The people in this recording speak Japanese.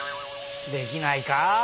できないかあ。